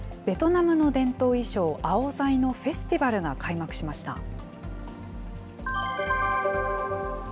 ベトナムの伝統衣装、アオザイのフェスティバルが開幕しました。